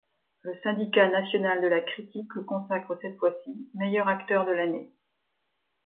Le Syndicat national de la critique le consacre cette fois-ci, meilleur acteur de l'année.